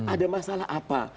ada masalah apa